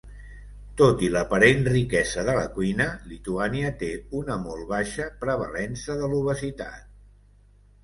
Tot i l'aparent riquesa de la cuina, Lituània té una molt baixa prevalença de l'obesitat.